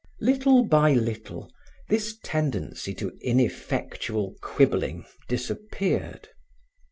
Little by little this tendency to ineffectual quibbling disappeared.